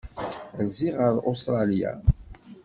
Rziɣ ɣef Ustṛalya.